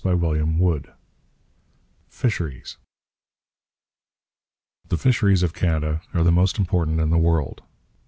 CHAPTER IX FISHERIES The fisheries of Canada are the most important in the world.